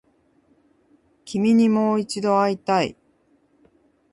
君にもう一度会いたい